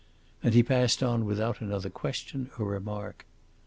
And he passed on without another question or remark.